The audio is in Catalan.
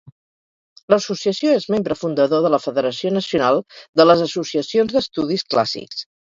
L'associació és membre fundador de la Federació nacional de les associacions d'estudis clàssics.